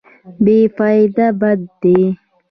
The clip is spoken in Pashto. بې فایده بد دی.